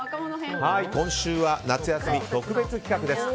今週は夏休み特別企画です。